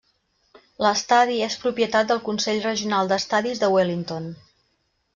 L'estadi és propietat del Consell Regional d'Estadis de Wellington.